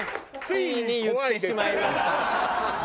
ついに言ってしまいました。